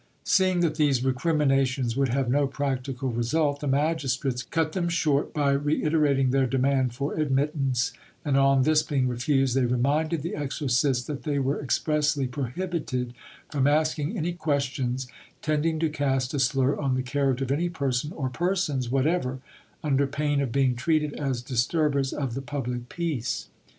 Seeing that these recriminations would have no practical result, the magistrates cut them short by reiterating their demand for admittance; and on this being refused, they reminded the exorcists that they were expressly prohibited from asking any questions tending to cast a slur on the character of any person or persons whatever, under pain of being treated as disturbers of the public peace.